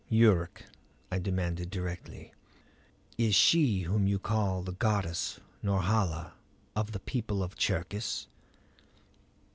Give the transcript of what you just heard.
"Yuruk," I demanded directly, "is she whom you call goddess Norhala of the people of Cherkis?"